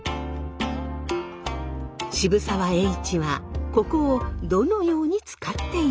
渋沢栄一はここをどのように使っていたのか。